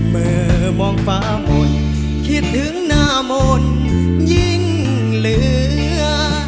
เมื่อมองฟ้ามนต์คิดถึงหน้ามนต์ยิ่งเหลือ